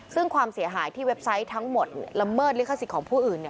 ซึ่งความเสียหายที่เว็บไซต์ทั้งหมดละเมิดลิขสิทธิ์ของผู้อื่น